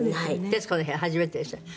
『徹子の部屋』は初めてでしたね。